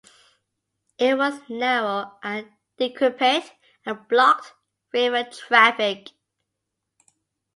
It was narrow and decrepit, and blocked river traffic.